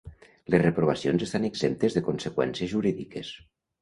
Les reprovacions estan exemptes de conseqüències jurídiques